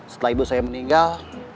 setelah ibu saya meninggal